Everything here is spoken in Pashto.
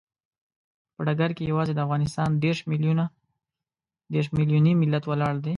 په ډګر کې یوازې د افغانستان دیرش ملیوني ملت ولاړ دی.